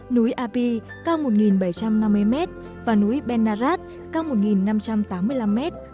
núi api cao một bảy trăm năm mươi m và núi penarat cao một năm trăm tám mươi năm m